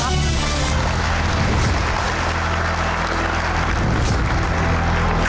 ส่งให้ใครขึ้นมาต่อชีวิตเป็นคนแรกครับ